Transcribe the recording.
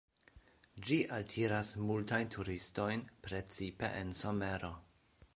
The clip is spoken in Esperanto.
Ĝi altiras multajn turistojn, precipe en somero.